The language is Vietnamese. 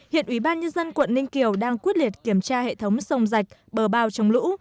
hiện ủy ban nhân dân quận ninh kiều đang quyết liệt kiểm tra hệ thống sông rạch bờ bao trong lũ